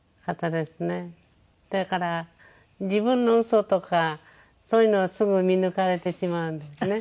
だから自分の嘘とかそういうのをすぐ見抜かれてしまうんですね。